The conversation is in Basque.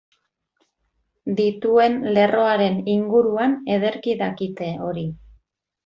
Dituen lerroaren inguruan ederki dakite hori.